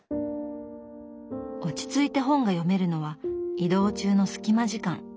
落ち着いて本が読めるのは移動中のスキマ時間。